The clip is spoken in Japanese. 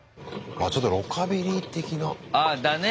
あちょっとロカビリー的な。